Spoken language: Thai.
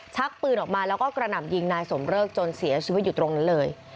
ชักปืนออกมาแล้วก็กระหน่ำยิงนายสมเริกจนเสียชีวิตอยู่ตรงนั้นเลย